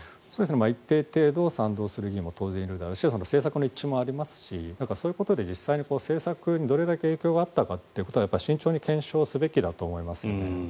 一定程度、賛同する議員が当然いるだろうし政策の一致もあるだろうしそういうことで実際に政策にどれだけ影響があったかということを慎重に検証すべきだと思います。